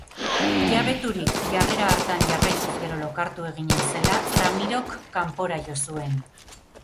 Jabeturik jarrera hartan jarraituz gero lokartu eginen zela, Ramirok kanpora jo zuen.